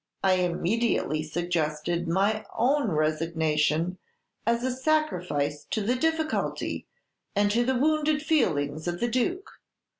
I immediately suggested my own resignation as a sacrifice to the difficulty and to the wounded feelings of the Duke.